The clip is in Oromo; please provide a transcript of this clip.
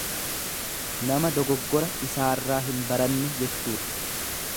Nama dogoggora isaarraa hin baranne jechuudha.